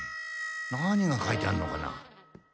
何が書いてあるのかな？